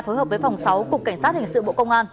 phối hợp với phòng sáu cục cảnh sát hình sự bộ công an